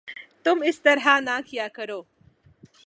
تم اس طرح نہ کیا کرو